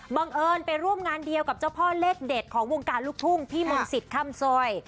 บังเอิญไปร่วมงานเดียวกับเจ้าพ่อเลขเด็ดของวงการลูกทุ่งพี่มนต์สิทธิ์คำซอย